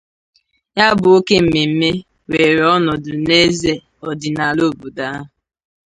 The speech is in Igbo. Ya bụ oke mmemme wèèrè ọnọdụ n'eze ọdịnala obodo ahụ